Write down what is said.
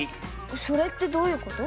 それってどういうこと？